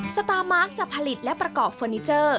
สตาร์มาร์คจะผลิตและประกอบเฟอร์นิเจอร์